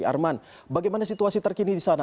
arman bagaimana situasi terkini di sana